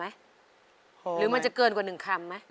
หรือมันจะเกินกว่า๑คำไหม